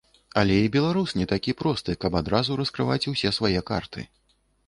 Але і беларус не такі просты, каб адразу раскрываць усе свае карты.